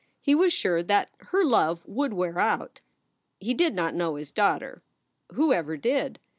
He was sure that her love would wear out. He did not know his daughter. Who ever did?